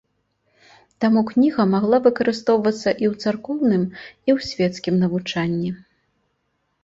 Таму кніга магла выкарыстоўвацца і ў царкоўным, і ў свецкім навучанні.